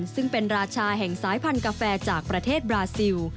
ซึ่งเป็นราชาแห่งสายพันธุ์กาแฟจากประเทศบราซิล